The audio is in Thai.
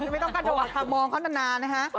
ไม่ต้องกระโดดข้ามมองเขาจะนาน